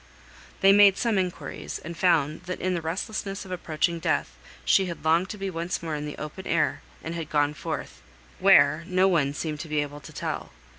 They made some inquiries, and found that in the restlessness of approaching death, she had longed to be once more in the open air, and had gone forth, where, no one seemed to be able to tell.